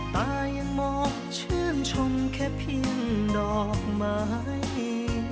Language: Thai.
ตายังมองชื่นชมแค่พี่ดอกไม้